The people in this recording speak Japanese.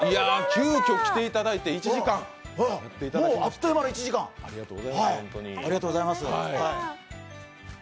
急きょ来ていただいて１時間もうあっという間の１時間、ありがとうございます。